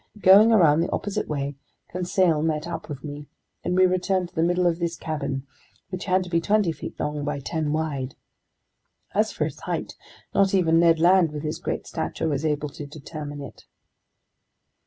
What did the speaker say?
Going around the opposite way, Conseil met up with me, and we returned to the middle of this cabin, which had to be twenty feet long by ten wide. As for its height, not even Ned Land, with his great stature, was able to determine it.